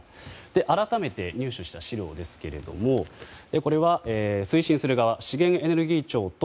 改めて入手した資料ですけれどもこれは推進する側資源エネルギー庁と